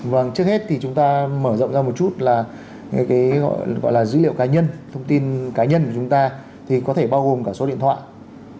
vâng trước hết thì chúng ta mở rộng ra một chút là cái gọi là dữ liệu cá nhân thông tin cá nhân của chúng ta thì có thể bao gồm cả số điện thoại